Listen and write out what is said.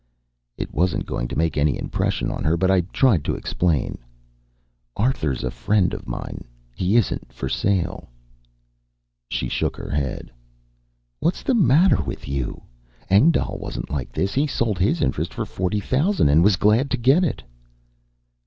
It wasn't going to make any impression on her, but I tried to explain: "Arthur's a friend of mine. He isn't for sale." She shook her head. "What's the matter with you? Engdahl wasn't like this. He sold his interest for forty thousand and was glad to get it."